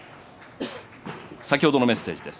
先ほどのメッセージです。